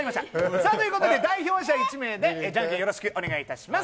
さあ、ということで代表者１名でじゃんけんよろしくお願いいたします。